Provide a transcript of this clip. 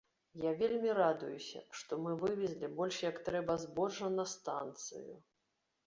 Я вельмі радуюся, што мы вывезлі больш як трэба збожжа на станцыю.